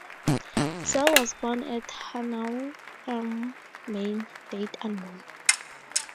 Zell was born at Hanau am Main, date unknown.